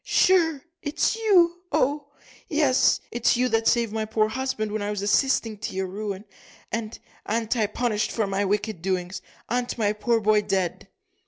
"Sure, it's you oh! yes it's you that saved my poor husband when I was assisting to your ruin. And a'n't I punished for my wicked doings a'n't my poor boy dead?"